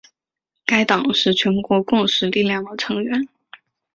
该党是全国共识力量的成员。